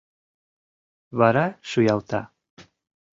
Вара шуялта.